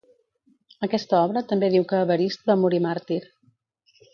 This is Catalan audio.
Aquesta obra també diu que Evarist va morir màrtir.